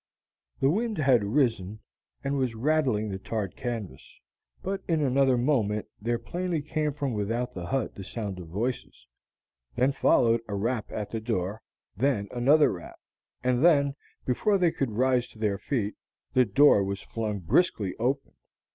The wind had risen and was rattling the tarred canvas. But in another moment there plainly came from without the hut the sound of voices. Then followed a rap at the door; then another rap; and then, before they could rise to their feet, the door was flung briskly open.